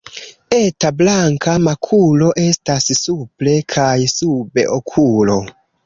Eta blanka makulo estas supre kaj sube okulo.